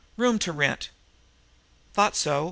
'Room To Rent.'" "I thought so.